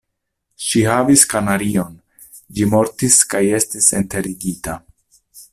Ŝi havis kanarion; ĝi mortis kaj estis enterigita.